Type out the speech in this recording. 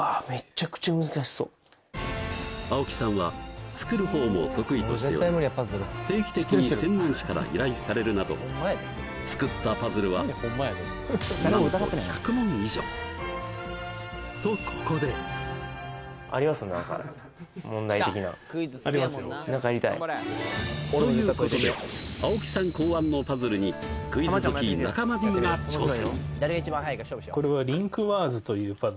青木さんは作る方も得意としており定期的に専門誌から依頼されるなど作ったパズルはなんと１００問以上とここでということで青木さん考案のパズルにクイズ好き中間Ｄが挑戦